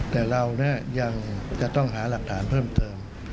แต่เรายังจะต้องหาหลักฐานเพิ่มเติม